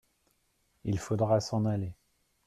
Il faudra s’en aller.